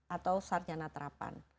atau saryana terapan